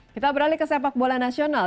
kita beralih ke sepak bola nasional